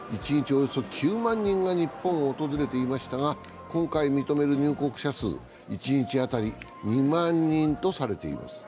およそ９万人が日本を訪れていましたが今回認める入国者数、一日当たり２万人とされています。